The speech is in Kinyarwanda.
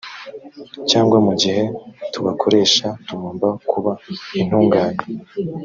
cyangwa mu gihe tubakoresha tugomba kuba intungane